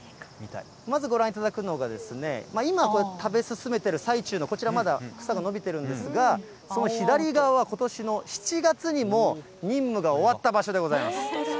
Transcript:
まずご覧いただくのが、今、こうやって食べ進めている最中のこちらまだ、草が伸びてるんですが、その左側はことしの７月にもう任務が終わった場所でございます。